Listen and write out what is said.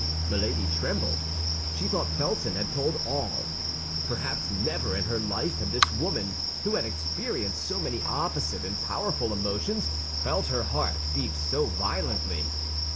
Milady trembled; she thought Felton had told all. Perhaps never in her life had this woman, who had experienced so many opposite and powerful emotions, felt her heart beat so violently.